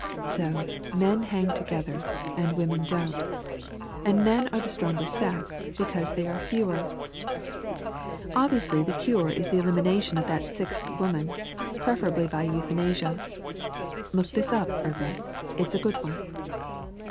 So men hang together, and women don't. And men are the stronger sex because they are fewer! Obviously the cure is the elimination of that sixth woman, preferably by euthanasia. (Look this up, Irvin. It's a good one.)